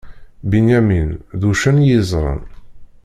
Binyamin, d uccen i yezzren.